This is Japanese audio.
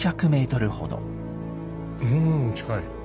うん近い。